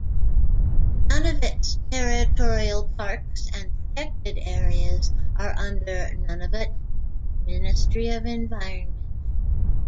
Nunavut's territorial parks and protected areas are under Nunavut Ministry of Environment.